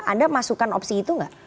anda masukkan opsi itu nggak